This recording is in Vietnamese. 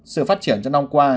sự phát triển trong năm qua